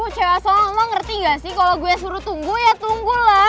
cewa asong lo ngerti gak sih kalo gue suruh tunggu ya tunggu lah